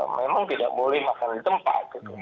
memang tidak boleh makan di tempat